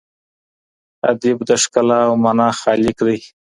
ادئب د ښکلا او مانا خالق دئ.